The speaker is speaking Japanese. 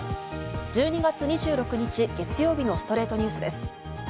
１２月２６日、月曜日の『ストレイトニュース』です。